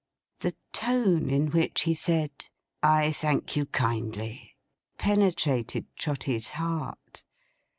The tone in which he said 'I thank you kindly,' penetrated Trotty's heart.